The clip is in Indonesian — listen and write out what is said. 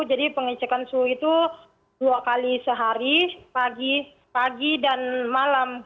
jadi pengecekan suhu itu dua kali sehari pagi dan malam